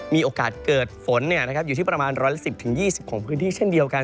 มีโอกาสเกิดฝนอยู่ที่ประมาณ๑๑๐๒๐ของพื้นที่เช่นเดียวกัน